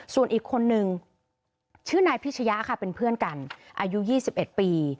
ส่วนอีกคนนึงชื่อนายพิชยะค่ะเป็นเพื่อนกันอายุ๒๑ปี